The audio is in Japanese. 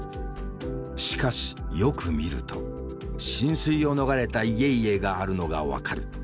しかしよく見ると浸水を逃れた家々があるのが分かる。